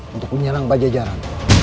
untuk menyerang pajajaran